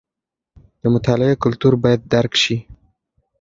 د مطالعې کلتور باید درک شي.